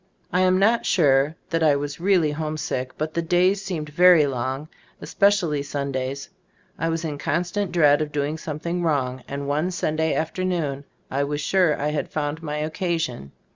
I am not sure that I was really homesick, but the days seemed very long, especially Sundays. I was in constant dread of doing something wrong, and one Sunday afternoon I 44 Gbe Storg of Ac Gbf Idbood was sure I had found my occasion.